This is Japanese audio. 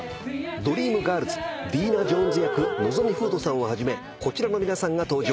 『ドリームガールズ』ディーナ・ジョーンズ役望海風斗さんをはじめこちらの皆さんが登場。